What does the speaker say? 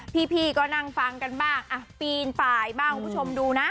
พี่ก็นั่งฟังกันบ้างอ่ะปีนป่ายบ้างคุณผู้ชมดูนะ